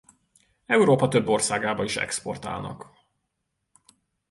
Európa több országába is exportálnak.